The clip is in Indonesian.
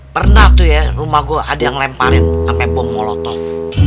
pernah tuh ya rumah gue ada yang lemparin sampai bom molotov